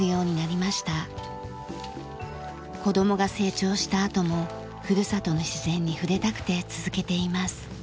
子どもが成長したあともふるさとの自然に触れたくて続けています。